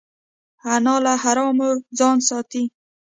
انا له حرامو ځان ساتي